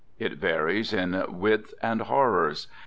It varies in width and horrors.